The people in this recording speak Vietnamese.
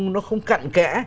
nó không cặn kẽ